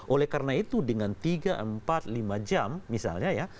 oleh karena itu dengan tiga empat lima jam misalnya ya